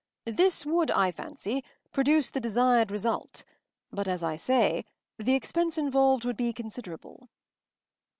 This would, I fancy, produce the desired result, but as I say, the expense involved would be considerable.